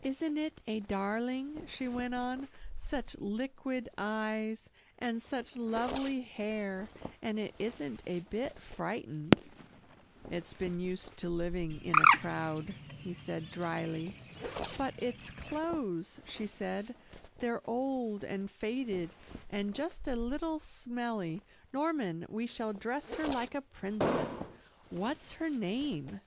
Isn't it a darling," she went on, "such liquid eyes, and such lovely hair, and it isn't a bit frightened." "It's been used to living in a crowd," he said dryly. "But its clothes," she said, "they're old, and faded, and just a little smelly. Norman, we shall dress her like a princess what's her name?"